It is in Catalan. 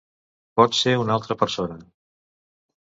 Pot ser una altra persona!